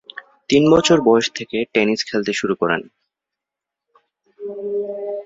তিন বছর বয়স থেকে টেনিস খেলতে শুরু করেন।